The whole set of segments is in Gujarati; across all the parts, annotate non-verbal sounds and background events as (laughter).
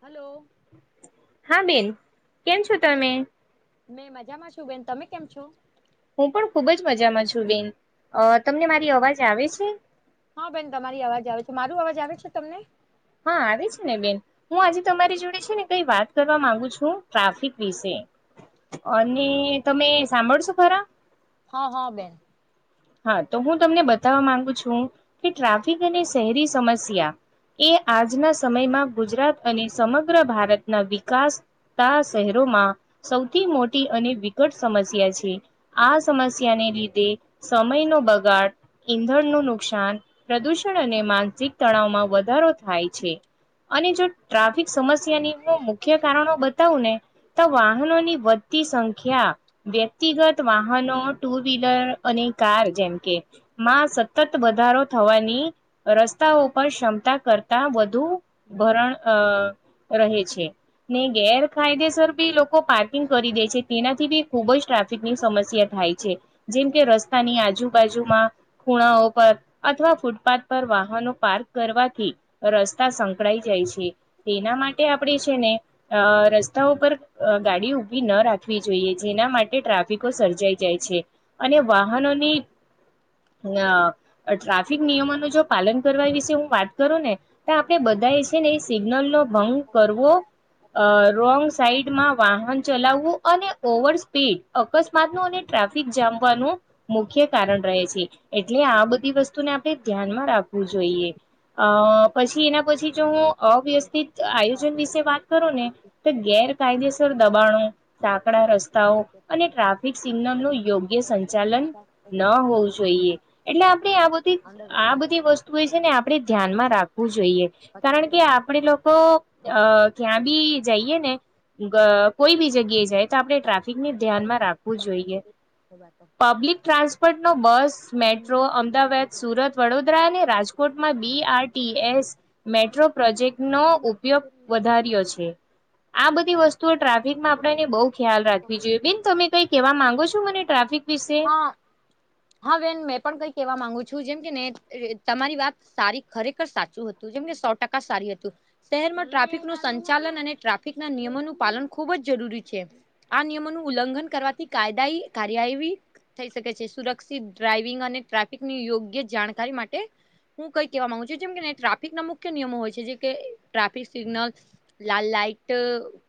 હલો! હા બેન કેમ છો તમે? મેં મજામાં છું બેન તમે કેમ છો? હું પણ ખુબ જ મજામાં છું બેન અ તમને મારી અવાજ આવે છે? હા બેન તમારી અવાજ આવે છે માર અવાજ આવે છે તમને? હા આવે છે ને બેન. હું આજે તમારી જોડે છે ને કઈ વાત કરવા માંગુ છું ટ્રાફિક વિશે. અને તમે સાંભળશો ખરા હા હા બેન. હા તો હું તમને બતાવવા માંગુ છું કે ટ્રાફિક અને શહેરી સમસ્યા એ આજના સમયમાં ગુજરાત અને સમગ્ર ભારતના વિકાસ શહેરોમાં સૌથી મોટી અને વિકટ સમસ્યા છે. આ સમસ્યાને લીધે સમયનો બગાડ ઈંધણનું નુકસાન પ્રદુષણ અને માનસિક તણાવમાં વધારો થાય છે. અને જો ટ્રાફિક સમસ્યાની ન મુખ્ય કારણો બતાવું ને તો વાહનોની વધતી સંખ્યા વ્યક્તિગત વાહનો ટુ વ્હીલર અને કાર જેમ કે માં સતત વધારો થવાની રસ્તાઓ પર ક્ષમતા કરતા વધુ ભરણ અ રહે છે ને ગેરકાયદેસર બી લોકો લોકો પાર્કિંગ કરી દે છે તેનાથી બી ખુબ જ ટ્રાફિક ની સમસ્યા થાય છે. જેમ કે રસ્તાની આજુબાજુમાં ખૂણાઓ પર અથવા ફૂટપાથ પર વાહનો પાર્ક કરવાથી રસ્તા સંક પકડાઈ જાય છે એના માટે આપણે છે ને ર તા ઉપર ગાડી ઉભી ન રાખવી જોઈએ જેના માટે ટ્રાફિકો સર્જાઈ જાય છે. અને વાહનોની અ ટ્રાફિક નિયમોનું જો પાલન કરવા વિશે હું વાત કરું ને આપડણે બધા છે ને એ સિગ્નલ નો ભંગ કરવો રોંગ સાઈડમાં વાહન ચલાવવું અને ઓવર સ્પીડ અકસ્માત નું અને ટ્રાફિક જામ ન મુખ્ય કારણ રહે છે. એટલે આ બધી વસ્તુને આપણે ધ્યાનમાં રાખવું જોઈએ. અ પછી એના પછી જો હું અવ્યવસ્થિત આયોજન વિશે વાત કરું ને તો ગેર કાયદેસર દબાણો સાકડા રસ્તાઓ અને ટ્રાફિક સિગ્નલ નો યોગ સંચાલન ન હોવું જોઈએ એટલે આપણે આ બધી અંદર આ બધી વસ્તુ એ છે ને આપણેે ધ્યાનમાં રાખવું જોઈએ. પચાસ કારણ કે આપડ લોકો અ ક્યાં બી જઈએ ને કોઈ બી જગ્યાએ જાય તો આપણે ટ્રાફિકને ધ્યાનમાં રાખવું જોઈએ. હવા તો. પબ્લિક ટ્રાન્સપોર્ટનો બસ મેટ્રો અમદાવાદ સુરત વડોદરા અને રાજકોટમાં B R T S metro project નો ઉપયોગ વધાર્યો છે. આ બધી વસ્તુઓ ટ્રાફિકમાં આપને બહુ ખ્યાલ રાખવી જોઈએ. બેન તમે કઈ કેહેવા માંગો છો મને ટ્રાફિક વિશ શે. હા. હા બેન મેં પણ કઈ કેહેવા માંગુ છું જેમ કે ને તમારી વાત સારી ખરેખર સાચું હ તું જેમને સો ટકા સારી હતું. શહેરમાં ટ્રાફિક નું સંચાલન અને ટ્રાફિક ના નિયમોનું પાલન ખુબ જ જરૂરી છે. આ નિયમોનું ઉલ્લંઘન કરવાથી કાયદા કાર્યવી થઈ શકે છે. સુરક્ષિત ડ્રાઈવિંગ અને ટ્રાફિકની યોગ્ય જાણકારી માટે હું કઈ કહેવા માંગુ છું જેમ કે ટ્રાફિક ના મુખ્ય નિયમો હોય છે જે કે ટ્રાફિક સિગ્નલ લાલ લાઈટ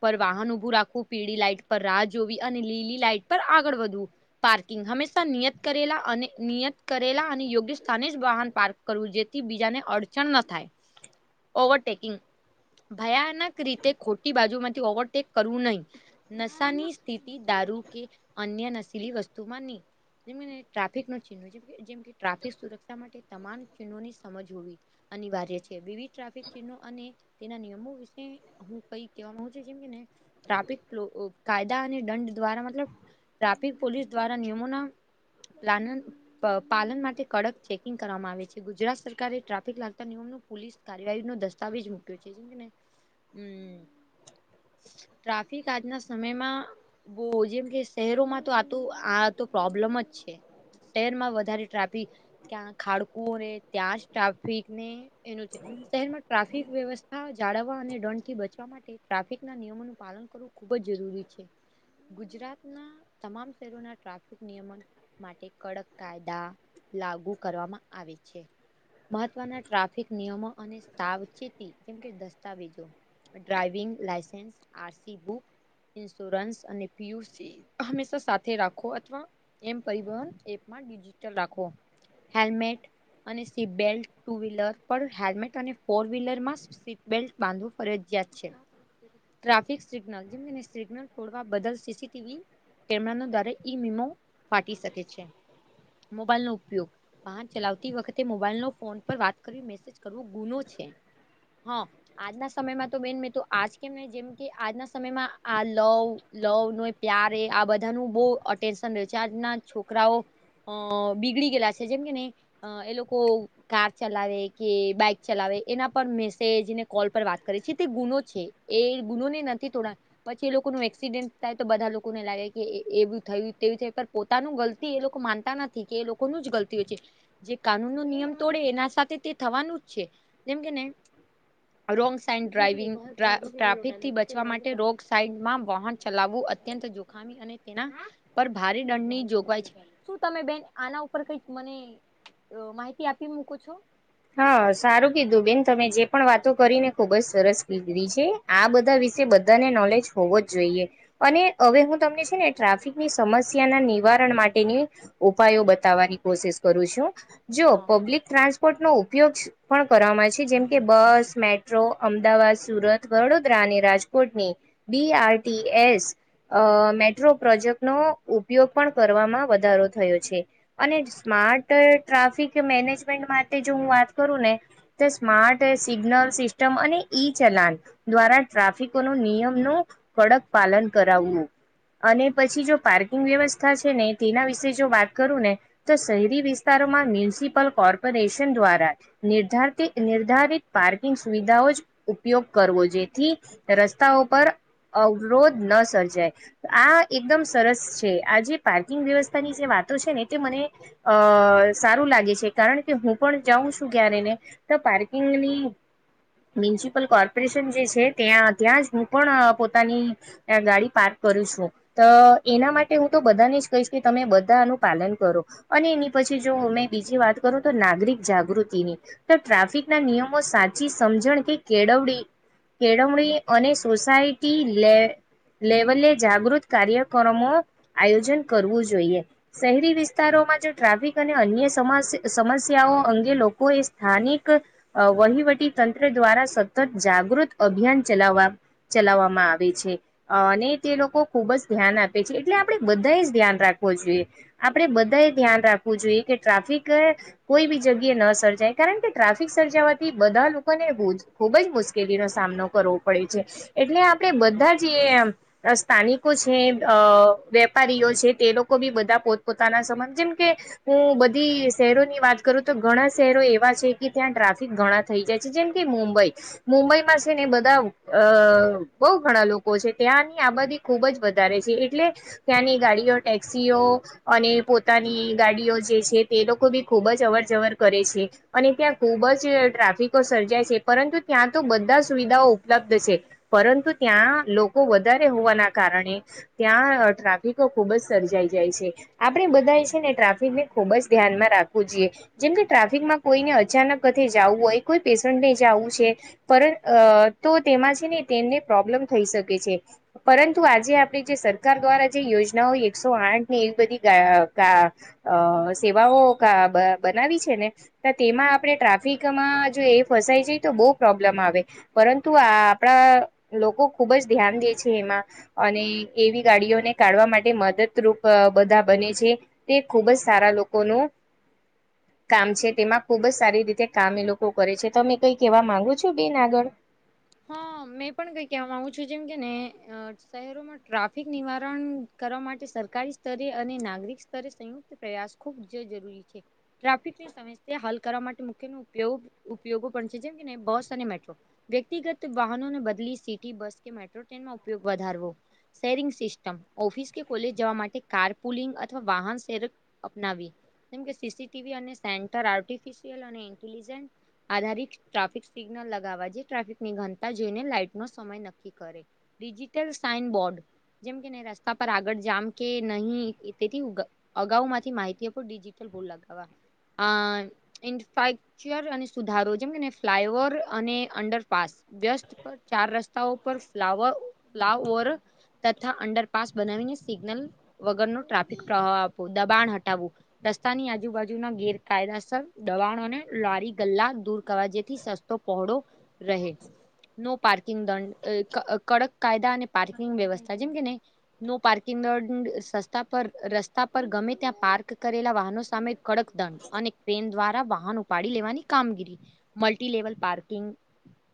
પર વાહન ઉભું રાખવું, પીળી લાઈટ પર રાહ જોવી અને લીલી લાઈટ પર આગળ વધવું. પાર્કિંગ હંમેશા નિયત કરેલા અને નિયત કરેલા અને યોગ્ય સ્થાને જ વાહન પાર્ક કરવું જેથી બીજાને અડચણ ન થાય. ઓવરટેકિંગ, ભયાનક રીતે ખોટી બાજુ માંથી ઓવરટેક કરવું નહી. નશાની સ્થિતિ દારૂ કે અન્ય નશીલી વસ્તુમાંની એમને ટ્રાફિક નો ચિન્હવ છે. જેમ કે ટ્રાફિક સુરક્ષા માટે તમામ ચિહ્નોની સમજ હોવી અનિવાર્ય છે. વિવિધ ટ્રાફિક સિનો અને તેના નિયમો વિશે હું કઈ કહેવા ગુ છું જેમ કેને ટ્રાફિક કાયદા અને દંડ દ્વારા મતલબ ટ્રાફિક પોલીસ દ્વારા નિયમોના લાન પ પાલન માટે કડક ચેકિંગ કરવામાં આવે છે ગુજરાત સરકારે ટ્રાફિક લાગતા નિયમનું પોલીસ કાર્યવાહી નો દસ્તાવેજ મૂક્યો છે જેમ કેને, હમ્મ. ટ્રાફિક આજના સમયમાં બવ જેમ કે શહેરોમાં તો આ તો આ તો પ્રોબ્લેમ જ છે. હેર માં વધારે ટ્રાફિક ત્યાં ખાડકું ને ત્યાં જ ટ્રાફિકને એનું છે. શહેરમાં ટ્રાફિક વ્યવસ્થા જાળવવા અને દંડ થી બચવા માટે ટ્રાફિક ના નિયમોનું પાલન કરવું. ખુબ જ જરૂરી છે. ગુજરાતના તમામ શહેરોના ટ્રાફિક નિયમન માટે કડક કાયદા લાગુ કરવામાં આવે છે. મહત્વના ટ્રાફિક નિયમો અને સાવચેતી જેમ કે દસ્તાવેજો driving licence, R C book insurance અને પી યુ સી હંમેશા સાથે રાખો અથવા એમ પરિવહન એપમાં ડિજિટલ રાખો. હેલ્મેટ અને સીટબલ્ટ, ટુ વ્હીલર પણ હેલ્મેટ અને ફોર વ્હીલર માં સીટ બેલ્ટ બાંધવું ફરજિયાત છે. ટ્રાફિક સિગ્નલ જેમ કે સિગ્નલ થોડવા બદલ સી સી ટી વી કેમ ન દારે ઈ મીમો ફાટી શકે છે. મોબાઈલ નો ઉપયોગ વાહન ચલાવતી વખતે મોબાઈલ નો ફોન પર વાત કર્યું મે કરવું ગુનું છે. હા. આજના સમયમાં તો બેન મેં તો આજ કેમ જેમ કે આજના સમયમાં આ લવ લવ ને પ્યાર એ આ બધાનું બવ અટેન્શન રહ છે આજના છોકરાઓ અ બીગડી ગયેલા છે. જેમ કે ને એ લોકો કાર ચલાવે કે બાઈક ચલાવે એના પર મેસેજ ને કોલ પર વાત કરે છે તે ગુનો છે. એ ગુનો ને નથી તોડા પછી એ લોકોનું એક્સિડેન્ટ થાય તો બધા લોકોને લાગે કે એવું થયું તેવું થયુ પણ પોતાનું ગલતી એ લોકો માનતા નથી કે એ લોકોનું જ ગલતી હોય છે. જે કાનૂન ન નિયમ તોડે એના સાથે તે થવાનું જ છે જેમ કે ને. રોંગ સાઈડ ડ્રાઈવિંગ ટ્રાફિક થી બચવા માટે રોંગ સાઈડમાં વાહન. ચલાવવું અત્યંત જોખમી અને તેના પર ભારે દંડની જોગવાઈ છે. શું તમે બેન આના ઉપર કઈક મને માહિતી આપી મૂકો છો. હા સારું કીધું બેન તમે જે પણ વાતો કરીને ખુબ જ સરસ કીધીી છે. આ બધા વિશે બધાને નોલેજ હોવો, જ જોઈએ અને હવે હું તમને છેને. ટ્રાફિકની સમસ્યાના નિવારણ માટેની ઉપાયો બતાવવાની કોશિશ કરું છું જો હા. પબ્લિક ટ્રાન્સપોર્ટ નો ઉપયોગ પણ કરવામાં છે. જેમ કે બસ મેટ્રો અમદાવાદ સુરત વડોદરા અને રાજકોટની બી આર ટી એસ અ મેટ્રો પ્રોજેક્ટનો ઉપયોગ પણ કરવામાં વધારો થયો છે. અને સ્માર્ટ ટ્રાફિક મેનેજમેન્ટ માટે જો હું વાત કરું ને સ્માર્ટ સિગ્નલ સિસ્ટમ અને ઈ ચલાન દ્વારા ટ્રાફિકો ન નિયમ નું કડક પાલન કરાવવુ અને પછી જો પાર્કિંગ વ્યવસ્થા છેને. તેના વિશે જો વાત કરું ને તો શહેરી વિસ્તારોમાં મ્યુનિસિપલ કોર્પોરેશન દ્વારા નિર્ધારિત પાર્કિંગ સુવિધાઓ જ ઉપયોગ કરવો જેથી રસ્તાઓ પર અવરોધ ન સર્જાય આ એકદમ સરસ છે આ જે પાર્કિંગ વ્યવસ્થાની જે વાતો છેને, તે મને અ સારું લાગેછે. કારણ કે હું પણ જાઉં છું ક્યારે ને તો પાર્કિંગ ની મ્યુનિસિપલ કોર્પોરેશન જે છે. ત્યાં ત્યાં જ હું પણ પોતાની ત્યાં ગાડી પાર્ક કરી છુ. તો એના માટે હુ, તો બધાને જ કહીશ કે તમે બધાનું પાલન કરો અને એની પછી જો મેમે બીજી વાત કરું તો નાગરિક જાગૃતિની તો ટ્રાફિક ના નિયમો સાચી સમજણ કે કેળવડી કેળવણી અને સોસાયટી લે લેવલે જાગૃત કાર્યક્રમો આયોજન કરવું, જોઈએ શહેરી વિસ્તારોમાં જો ટ્રાફિક અને અન્ય સમસ્યાઓ અંગે લોકો, એ સ્થાનિક વહીવટી તંત્ર દ્વારા સતત જાગૃત અભિયાન ચલાવવા ચલાવવામાં આવે છે. અને તે લોકો ખુબ જ ધ્યાન આપે છે. એટલે આપણે બધા જ ધ્યાન રાખવો જોઈએ આપડે બધા એ ધ્યાન રાખવું જોઈએ કે ટ્રાફિક કોઈ બી જગ્યા ન સર્જાય કારણ કે ટ્રાફિક સર્જાવાથી બધા લોકોને ખુબ જ, મુશ્કેલીનોો સામનો કરો પડ છે એટલે આપણે બધા જ સ્થાનિકો છે. વેપારીઓ છે. તે લોકો બી બધા પોતપોતાના સમાંધ જેમ કે હું બધી શહેરોની વાત કરું તો ઘણા શહેરો એવા છે કે ત્યાં ટ્રાફિક ઘણા થઈ જાય છે. જેમ કે મુંબઈ મુંબઈમાં છે ને બધા અ બહુ ઘણા લોકો છે ત્યાંની આબાદી ખુબ જ વધારે છે. એટલે ત્યાંની ગાડીઓ ટેક્સીઓ અને પોતાની ગાડીઓ જે છે. તે લોકો બી ખુબ જ જવર જવર કરે છે. અને ત્યાં ખુબ જ ટ્રાફિકો સર્જાય છે પરંતુ ત્યાં તો બધા સુવિધાઓ ઉપલબ્ધ છે. પરંતુ ત્યાં લોકો વધારે હોવાના, કારણે ત્યાં ટ્રાફિકો ખુબ જ સર્જાઈ જાય છે. આપડ બધા છે ને ટ્રાફિક ને ખુબ જ ધ્યાનમાં રાખવું જોઈએ જેમકે ટ્રાફિકમાં કોઈને અચાનક હથે જવું હોય કોઈ પેશન્ટને જું છે. પર અ તો તેમાં છેને. તેમને પ્રોબ્લેમ થઈ શકે છે. પરંતુ આજે આપણી જે સર સરકાર દ્વારા જે યોજનાઓ એકસો આઠ ની એવી બધી અ સેવાઓ બનાવી છેને. તો તેમાં આપણે ટ્રાફિકમાં જો એ ફસાય જાય તો બહુ પ્રોબ્લેમ આવે પરંતુ આ આપણા લોકો ખુબ જ ધ્યાન દે છે. એમાં અને એવી ગાડીઓને કાઢવા માટે મદદરૂપ બધા બને છે. તે ખુબ જ સારા લોકોનો કામ છે તેમાં ખુબ જ સારી રીતે કામ એ લોકો કરે છે તમે કઈ કેહેવા માંગુ છો બેન આગળ હા મેં પણ કઈ કહેવા માગુ છું જેમ કે ને શહેરોમાં ટ્રાફિક નિવારણ કરવા માટે સરકારી સ્તરે અને નાગરિક સ્તરે સંયુક્ત પ્રયાસ ખૂબ જ જરૂરી છે ટ્રાફિકની સમસ્યા હલ કરવા માટે મુખ્યયો ઉપયોગો પણ છે જેમ કેને બસ અને મેટ્રો વ્યક્તિગત વાહનોને બદલી સિટી બસ કે મેટ્રો ટ્રેનમાં ઉપયોગ વધારવો શેરિંગ સિસ્ટમ ઓફિસ કે કોલેજ જવા માટે કાર પુલિંગ અથવા વાહન શેર અપનાવી જેમકે સી સી ટીવી અને સેન્ટર આર્ટફિશયલ અને ઇન્ટલજ આધારિત ટ્રાફિક સિગ્નલ લગાવા જે ટ્રાફિક નિ ઘનતા જોઈને લાઈટ નો સમય નક્કી કરે ડિજિટલ સાઈન બોર્ડ જેમ કે નહી રસ્તા પર આગળ જામ કે નહીં તેથી ઉગ અગાઉ માંથી માહિતીઓ પર ડિજિટલ બોલ લગાવા અ ઇન્ફ્રાસ્ટક્ચર અને સુધારો જેમ કેને ફ્લાય ઓવર અને અંડર પાસ વ્યસ્ત પર ચાર રસ્તાઓ પર ફ્લાવર ફલાવર તથા અંડરપાસ બનાવીને સિગ્નલ વગર નો ટ્રાફિક પ્રવા આપવો દબાણ હટાવવું રસ્તાની આજુબાજુના ગેરકાયદાસર દબાણોને લારી ગલ્લા દૂર કરવા જેથી સસ્ તો પહોળો રહે નો પાર્કિંગ દંડ કડક કાયદા અને પાર્કિંગ વ્યવસ્થા જેમ કે ને નો પાર્કિંગ દંડ સસ્તા પર રસ્તા પર ગમે ત્યાં પાર્ક કરેલા વાહનો સામે કડક દંડ અને ટ્રેન દ્વારા વાહન ઉપાડી લેવાની કામગીરી મલ્ટી લેવલ પાર્કિંગ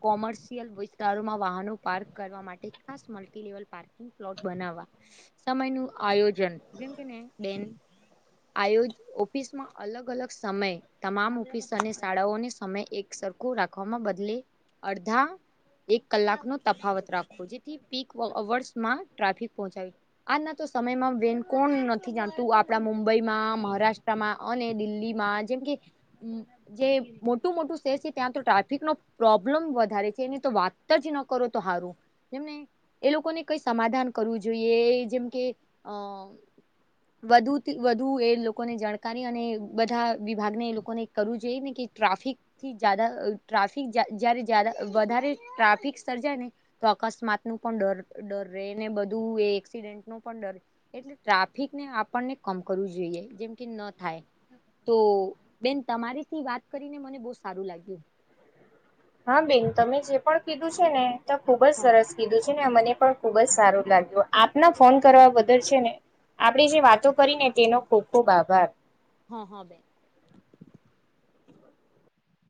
કોમર્શિયલ વિસ્તારોમાં વાહનો પાર્ક કરવા માટે ખાસ મલ્ટીલેવલ પાર્ક પ્લોટ બનાવા સમય નું આયોજન જેમ કે ને બેન આયોજ ઓફિસમાં અલગ અલગ સમય તમામ ઓફિસ અને શાળાઓને સમય એક સરખો રાખવાવામાં બદલે અડધા એક કલાક નો તફાવત રાખો જેથી પીકવર્સમાં ટ્રાફિક પહોંચાવી આજના તો સમયમાં વેન કોણ નથી જાણતું આપડા મુંબઈમાં મહારાષ્ટ્રામાં અને દિલ્હીમાં જેમ કે જે મોટું મોટું શહેર છે ત્યાં તો ટ્રાફિક ન પ્રો્ બ્લમ વધારે છે એને તો વાત જ ન કરો તો સારું જેમને એ લોકોને કઈ સમાધાન કરવું જોઈએ જેમ કે અ હ (inaudible) (unintelligible) વધુ થી વધુ એ લોકોને જાણકારી અને બધા વિભાગને એ લોકોને કરવું જોઈએ ને કે ટ્રાફિક થી જદા ટ્રાફિક જારે વધારે ટ્રાફિક સર્જાય ને તો અકસ્માત નું પણ ડર ડર રહે ને બધું એ એક્સિડેન્ટ ન પણ ડર એટલે ટ્રાફિક ને આપણને કમ કરવું જોઈએ જેમ કે ન થાય તો બેન તમારીથી વાત કરીને મને બહુ સારું લાગ્યું હા બેન તમે જે પણ કીધું છે ને ત ખુબ જ હા સરસ કીધું છે ને મને પણ ખુબ જ સારું લાગ્યું આપના ફોન કરવા બદલ છે ને આપડી જે વાતો કરી ને તેનો ખુબ ખુબ આભાર હા હા બેન